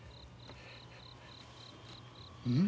うん？